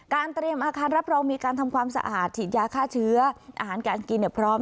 เตรียมอาคารรับรองมีการทำความสะอาดฉีดยาฆ่าเชื้ออาหารการกินเนี่ยพร้อม